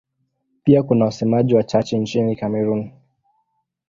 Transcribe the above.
Pia kuna wasemaji wachache nchini Kamerun.